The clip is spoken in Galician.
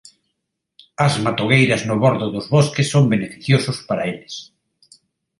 As matogueiras no bordo dos bosques son beneficiosos para eles.